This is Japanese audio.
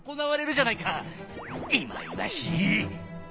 いまいましい！